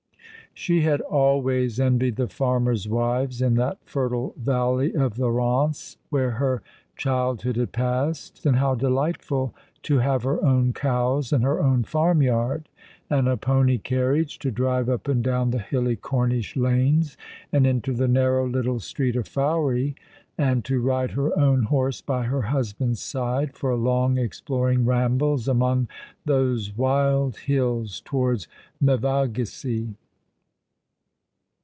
She had always envied the farmers' wives in that fertile valley of the Eance, where her childhood had been passed. And how delightful to have her own cows and her own farmyard, and a pony carriage to drive up and down the hilly Cornish lanes and into the narrow little street of Fowey, and to ride her own horse by her husband's side for long exploring rambles among those wild hills towards Mevagissey